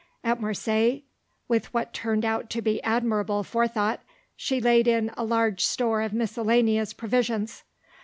At Marseilles, with what turned out to be admirable forethought, she laid in a large store of miscellaneous provisions.